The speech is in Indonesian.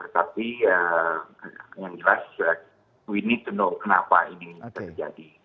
tapi yang jelas kita harus tahu kenapa ini terjadi